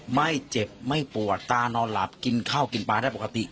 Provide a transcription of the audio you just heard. ไม่เจ็บไม่ปวดตานอนหลับกินข้าวกินปลาได้ปกติ